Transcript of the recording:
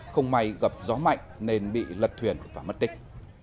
không may gặp gió mạnh nên bị lật thuyền và mất tích